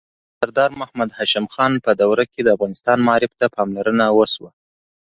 د سردار محمد هاشم خان په دوره کې د افغانستان معارف ته پاملرنه وشوه.